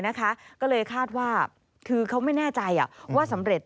สังเกตอวัยวะเพศของเด็กหญิงลูกสาวอายุ๕ขวบ